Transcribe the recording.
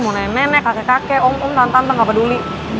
mau nenek kakek kakek om om tantan tantan gak peduli